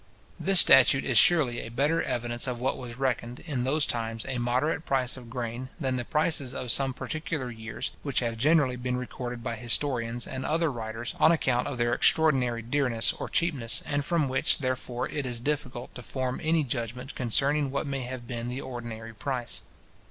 This statute is surely a better evidence of what was reckoned, in those times, a moderate price of grain, than the prices of some particular years, which have generally been recorded by historians and other writers, on account of their extraordinary dearness or cheapness, and from which, therefore, it is difficult to form any judgment concerning what may have been the ordinary price.